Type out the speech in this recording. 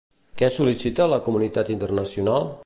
Què sol·licita de la comunitat internacional?